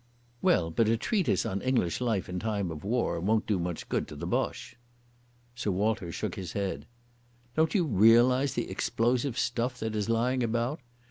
"Well, but a treatise on English life in time of war won't do much good to the Boche." Sir Walter shook his head. "Don't you realise the explosive stuff that is lying about?